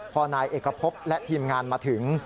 พอนายเอกพบและทีมงานมาถึง